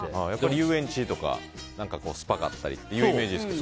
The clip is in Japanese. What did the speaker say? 遊園地とかスパがあったりのイメージですけど。